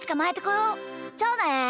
じゃあね！